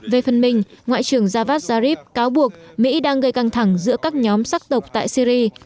về phần mình ngoại trưởng javad zarif cáo buộc mỹ đang gây căng thẳng giữa các nhóm sắc tộc tại syri